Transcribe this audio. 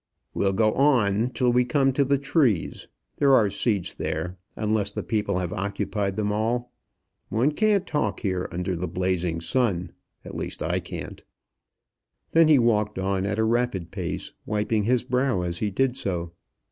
"We'll go on till we come to the trees; there are seats there, unless the people have occupied them all. One can't talk here under the blazing sun; at least I can't." Then he walked on at a rapid pace, wiping his brow as he did so.